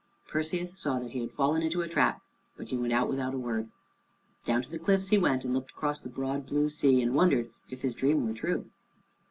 Perseus saw that he had fallen into a trap, but he went out without a word. Down to the cliffs he went, and looked across the broad blue sea, and wondered if his dream were true.